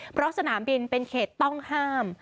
เพราะสนามบินเป็นเขตต้องห้าม